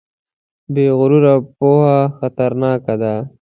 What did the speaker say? بې غروره پوهه خطرناکه ده.